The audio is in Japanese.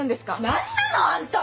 何なのあんた！